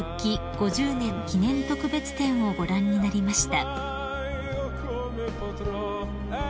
５０年記念特別展をご覧になりました］